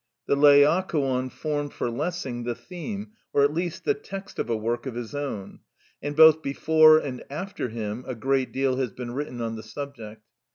The Laocoon formed for Lessing the theme, or at least the text of a work of his own, and both before and after him a great deal has been written on the subject.